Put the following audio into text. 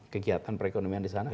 kegiatan perekonomian di sana